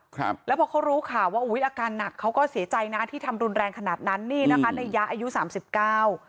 ครับแล้วพอเขารู้ข่าวว่าอุ้ยอาการหนักเขาก็เสียใจนะที่ทำรุนแรงขนาดนั้นนี่นะคะในยะอายุสามสิบเก้า